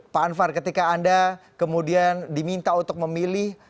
pak anwar ketika anda kemudian diminta untuk memilih